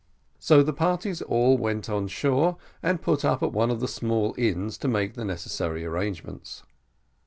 So the parties all went on shore, and put up at one of the small inns to make the necessary arrangements.